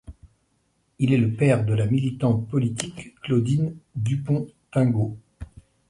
Il est le père de la militante politique Claudine Dupont-Tingaud.